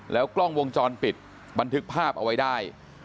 กล้องวงจรปิดบันทึกภาพเอาไว้ได้